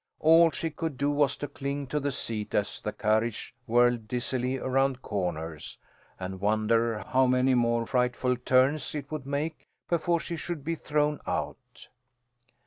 All she could do was to cling to the seat as the carriage whirled dizzily around corners, and wonder how many more frightful turns it would make before she should be thrown out.